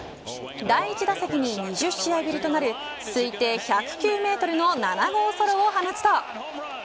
第１打席に２０試合ぶりとなる推定１０９メートルの７号ソロを放つと。